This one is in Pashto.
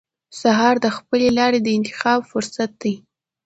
سهار د خپلې لارې د انتخاب فرصت دی.